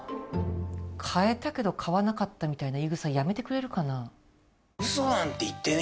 買えたけど買わなかったみたいな言い草やめてくれるかな。